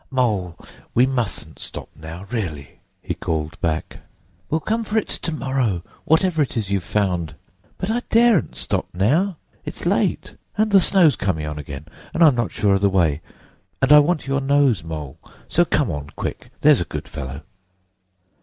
"Mole, we mustn't stop now, really!" he called back. "We'll come for it to morrow, whatever it is you've found. But I daren't stop now—it's late, and the snow's coming on again, and I'm not sure of the way! And I want your nose, Mole, so come on quick, there's a good fellow!"